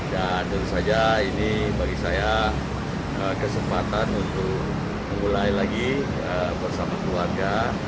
dan tentu saja ini bagi saya kesempatan untuk memulai lagi bersama keluarga